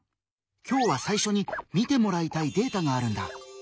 今日は最初に見てもらいたいデータがあるんだ。